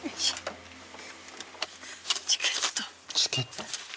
チケット？